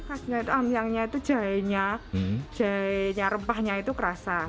ampiangnya itu jahenya jahenya rempahnya itu kerasa